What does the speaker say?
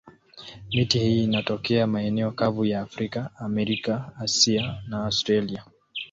Miti hii inatokea maeneo kavu ya Afrika, Amerika, Asia na Australia.